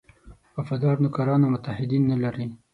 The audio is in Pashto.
وفادار نوکران او متحدین نه لري.